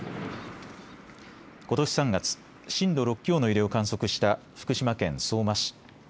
ことし３月、震度６強の揺れを観測した福島県相馬市。